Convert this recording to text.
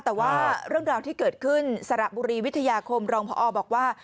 แต่ว่าเรื่องราวที่เกิดขึ้นสระบุรีวิทยาคมรองพอบอกว่า